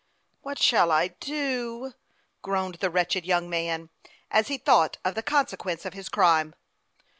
" What shall I do ?" groaned the wretched young man, as he thought of the consequence of his crime.